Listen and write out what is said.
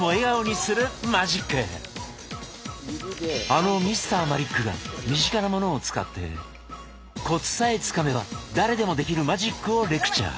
あのＭｒ．マリックが身近なものを使ってコツさえつかめば誰でもできるマジックをレクチャ―。